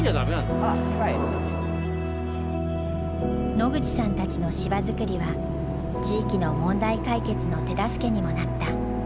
野口さんたちの芝作りは地域の問題解決の手助けにもなった。